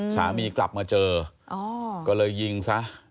สามีกลับมาเจอก็เลยยิงซะ